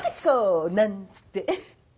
なんつってね。